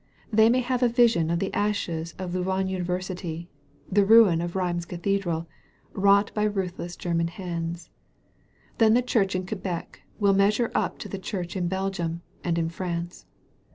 They may have a vision of the ashes of Louvain University, the ruin of Rheims Cathedral, wrought by ruthless Grerman hands. Then the church in Quebec will measure up to the church in Belgium and in tVance.